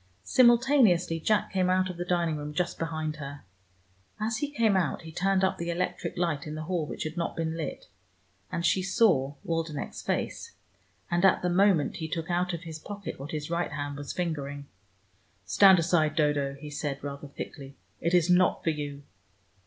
Simultaneously, Jack came out of the dining room just behind her. As he came out he turned up the electric light in the hall which had not been lit, and she saw Waldenech's face. And at the moment he took out of his pocket what his right hand was fingering. "Stand aside, Dodo," he said rather thickly. "It is not for you."